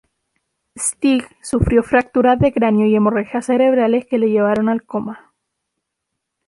Stig sufrió fractura de cráneo y hemorragias cerebrales que le llevaron al coma.